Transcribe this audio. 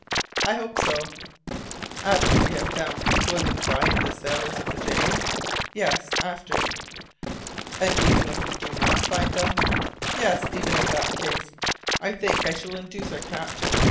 "I hope so." "After we shall have found William Guy and the sailors of the Jane!" "Yes, after." "And even if we do not find them?" "Yes, even in that case. I think I shall induce our captain.